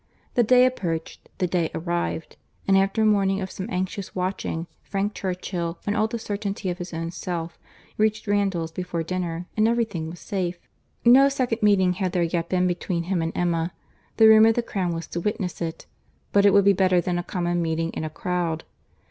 The day approached, the day arrived; and after a morning of some anxious watching, Frank Churchill, in all the certainty of his own self, reached Randalls before dinner, and every thing was safe. No second meeting had there yet been between him and Emma. The room at the Crown was to witness it;—but it would be better than a common meeting in a crowd.